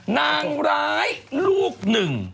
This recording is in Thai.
นางร้ายลูกหนึ่ง